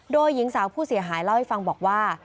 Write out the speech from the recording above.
โดยหญิงสาวผู้เสียหายเล่าให้ฟังบอกว่า